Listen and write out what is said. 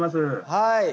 はい。